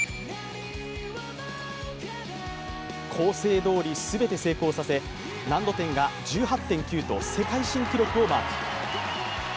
構成どおり全て成功させ、難度点が１８．９と世界新記録をマーク。